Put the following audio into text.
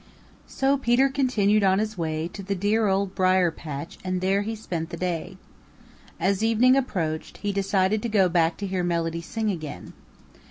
So Peter continued on his way to the dear Old Briar patch and there he spent the day. As evening approached he decided to go back to hear Melody sing again.